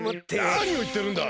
なにをいってるんだ！